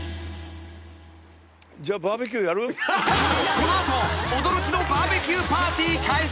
［この後驚きのバーベキューパーティー開催］